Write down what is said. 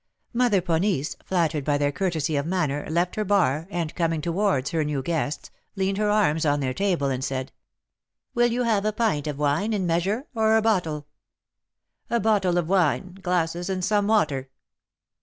Mother Ponisse, flattered by their courtesy of manner, left her bar, and, coming towards her new guests, leaned her arms on their table, and said, "Will you have a pint of wine in measure or a bottle?" "A bottle of wine, glasses, and some water."